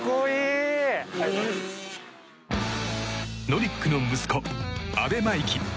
ノリックの息子阿部真生